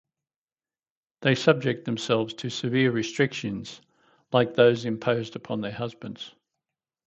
They subject themselves to severe restrictions like those imposed upon their husbands.